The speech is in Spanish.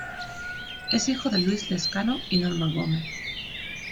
Es hijo de Luis Lescano, y Norma Gómez.